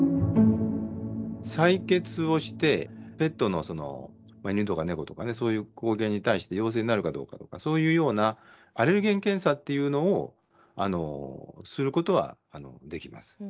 採血をしてペットのその犬とか猫とかねそういう抗原に対して陽性になるかどうかとかそういうような「アレルゲン検査」っていうのをすることはできます。